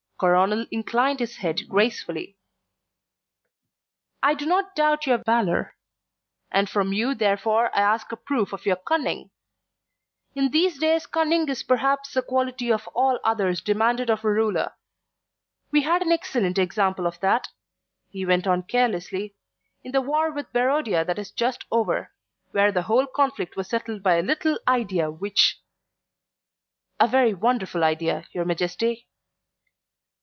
Coronel inclined his head gracefully. "I do not doubt your valour, and from you therefore I ask a proof of your cunning. In these days cunning is perhaps the quality of all others demanded of a ruler. We had an excellent example of that," he went on carelessly, "in the war with Barodia that is just over, where the whole conflict was settled by a little idea which " "A very wonderful idea, your Majesty."